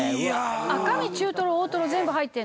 「赤身中トロ大トロ全部入ってる」